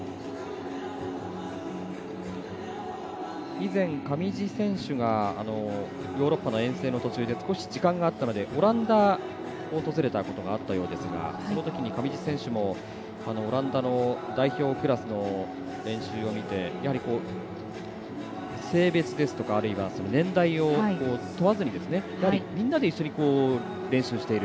以前、上地選手がヨーロッパの遠征の途中で少し時間があったのでオランダを訪れたことがあったそうですがそのときに上地選手もオランダの代表クラスの練習を見て性別ですとか年代を問わずにみんなで一緒に練習している。